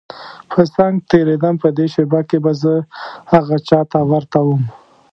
په څنګ تېرېدم په دې شېبه کې به زه هغه چا ته ورته وم.